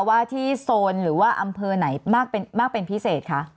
ว่าที่โซนหรือว่าอำเภอไหนมากเป็นพิเศษคะ